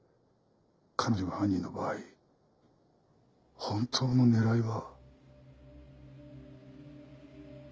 彼女が犯人の場合本当の狙いは。